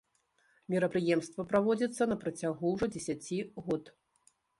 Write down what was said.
Мерапрыемства праводзіцца на працягу ўжо дзесяці год.